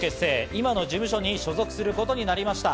今の事務所に所属することになりました。